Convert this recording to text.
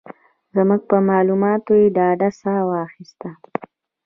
زموږ په مالوماتو یې د ډاډ ساه واخيسته.